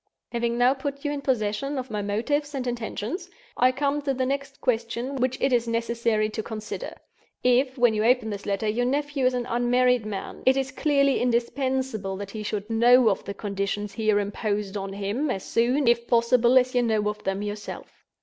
"Having now put you in possession of my motives and intentions, I come to the next question which it is necessary to consider. If, when you open this letter, your nephew is an unmarried man, it is clearly indispensable that he should know of the conditions here imposed on him, as soon, if possible, as you know of them yourself.